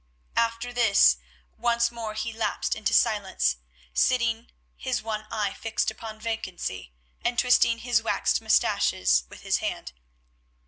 After this once more he lapsed into silence, sitting, his one eye fixed upon vacancy, and twisting his waxed moustaches with his hand.